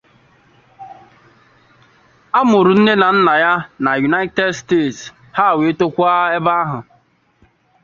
Nne na nna muru NneNne Iwuji-Eme na aru oru na United Nations.